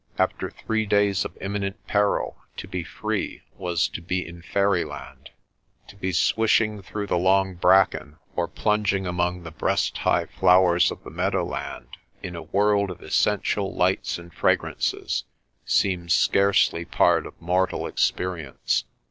After three days of imminent peril, to be free was to be in fairyland. To be swishing through the long bracken or plunging among the breast high flowers of the meadowland, in a world of essential lights and fra grances, seemed scarcely part of mortal experience.